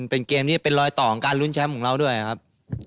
เป็นเกมที่เป็นรอยต่อของการลุ้นแชมป์ของเราด้วยครับ